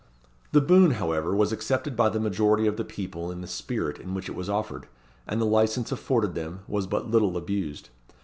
The boon, however, was accepted by the majority of the people in the spirit in which it was offered, and the licence afforded them was but little abused.